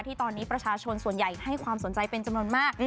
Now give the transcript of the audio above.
ที่ตอนนี้ประชาชนส่วนใหญ่ให้ความสนใจเป็นจำนวนมาก